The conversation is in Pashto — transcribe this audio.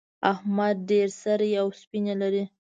احمد ډېر سرې او سپينې لري.